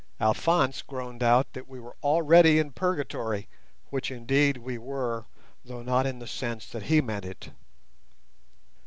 Alphonse groaned out that we were already in purgatory, which indeed we were, though not in the sense that he meant it.